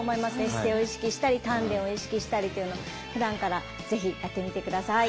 姿勢を意識したり丹田を意識したりというのをふだんから是非やってみて下さい。